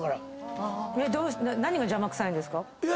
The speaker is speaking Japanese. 何が邪魔くさいんですか？